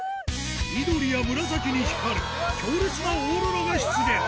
緑や紫に光る強烈なオーロラが出現